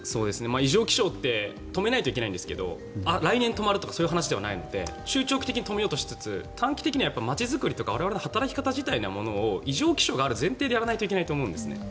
異常気象って止めないといけないんですけど来年止まるとかそういう話ではないので中長期的に止めようとしつつ短期的には街づくりとか我々の働き方を異常気象がある前提でやらないといけないと思うんです。